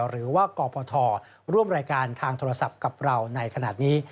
หรือว่ากพทร่วมรายการทางโทรศัพท์กับเราในขณะนี้